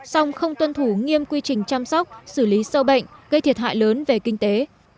song không tuân thủ nghiêm quy trình chăm sóc xử lý sâu bệnh gây thiệt hại lớn về kinh tế